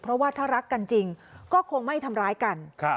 เพราะว่าถ้ารักกันจริงก็คงไม่ทำร้ายกัน